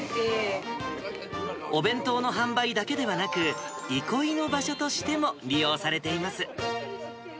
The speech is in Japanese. お弁当の販売だけではなく、憩いの場所としても利用されています。